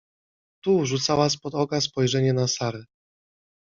— Tu rzucała spod oka spojrzenie na Sarę.